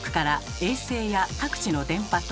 衛星や各地の電波塔